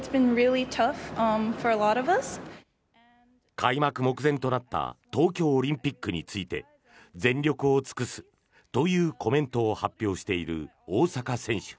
開幕目前となった東京オリンピックについて全力を尽くすというコメントを発表している大坂選手。